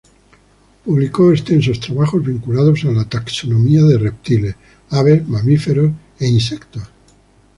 Publicó extensos trabajos vinculados a la taxonomía de reptiles, aves, mamíferos e insectos.